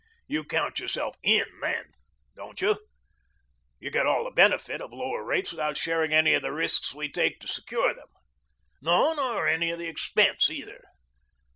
You count yourself IN then, don't you? You get all the benefit of lower rates without sharing any of the risks we take to secure them. No, nor any of the expense, either.